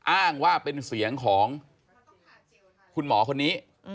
อ้างว่าเป็นเสียงของคุณหมอคนนี้